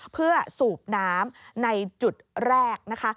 เพื่อสูบน้ำในจุดแรกนะคะ